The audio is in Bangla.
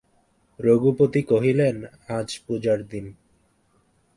রঘুপতি কহিলেন, আজ পূজার দিন।